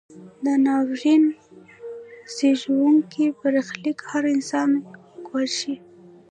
دا ناورین زیږوونکی برخلیک هر انسان ګواښي.